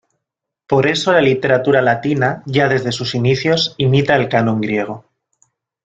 Por eso la literatura latina, ya desde sus inicios, imita el canon griego.